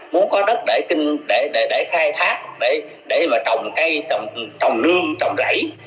muốn có đất để khai thác để mà trồng cây trồng nương trồng rẫy